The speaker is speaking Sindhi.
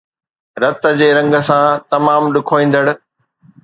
رت جي رنگ سان تمام ڏکوئيندڙ